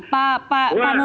pak nur wahid